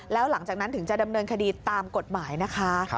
แล้วหลังจากนั้นถึงจะดำเนินคดีตามกฎหมายนะคะ